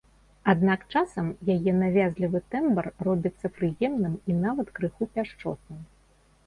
Аднак часам яе навязлівы тэмбр робіцца прыемным і нават крыху пяшчотным.